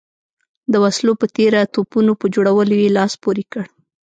د وسلو په تېره توپونو په جوړولو یې لاس پورې کړ.